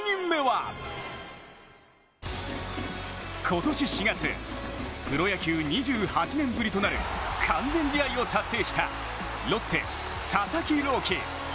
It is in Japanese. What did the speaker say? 今年４月、プロ野球２８年ぶりとなる完全試合を達成したロッテ・佐々木朗希。